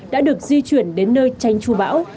đã được di chuyển đến nơi tránh trù bão